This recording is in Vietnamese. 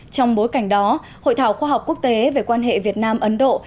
trong bối cảnh đó hội thảo khoa học quốc tế về quan hệ việt nam ấn độ